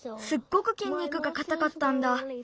すっごくきんにくがかたかったんだ。